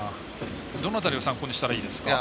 どの辺りを参考にしたらいいですか。